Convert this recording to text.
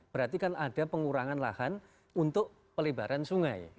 berarti kan ada pengurangan lahan untuk pelebaran sungai